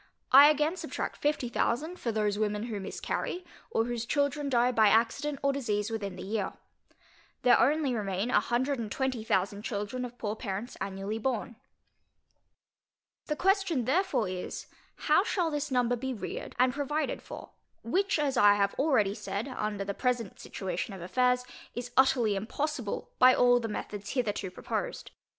I again subtract fifty thousand, for those women who miscarry, or whose children die by accident or disease within the year. There only remain a hundred and twenty thousand children of poor parents annually born. The question therefore is, How this number shall be reared and provided for? which, as I have already said, under the present situation of affairs, is utterly impossible by all the methods hitherto proposed.